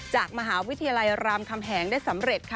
จากมหาวิทยาลัยรามคำแหงได้สำเร็จค่ะ